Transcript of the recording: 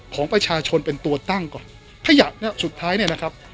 ของประชาชนเป็นตัวตั้งก่อนขยับเนี่ยสุดท้ายเนี่ยนะครับ